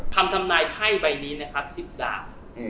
ทำทำนายไพ่ใบนี้นะครับ๑๐ดาบ